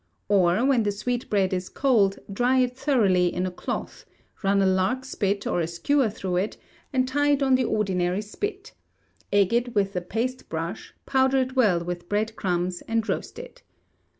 Or when the sweetbread is cold, dry it thoroughly in a cloth, run a lark spit or a skewer through it, and tie it on the ordinary spit; egg it with a paste brush, powder it well with bread crumbs, and roast it.